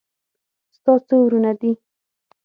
ستا څو ورونه دي